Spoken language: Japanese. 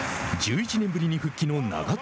１１年ぶりに復帰の長友。